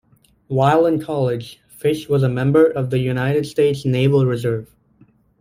While in college, Fish was a member of the United States Naval Reserve.